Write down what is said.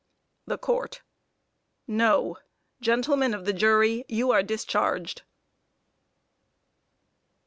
THE COURT: No. Gentlemen of the jury, you are discharged.